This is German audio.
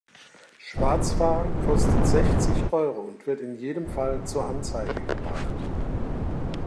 Schwarzfahren kostet sechzig Euro und wird in jedem Fall zur Anzeige gebracht.